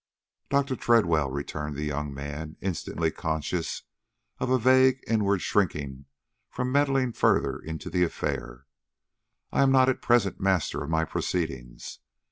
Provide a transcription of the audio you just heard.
"Dr. Tredwell," returned the young man, instantly conscious of a vague, inward shrinking from meddling further in the affair, "I am not at present master of my proceedings.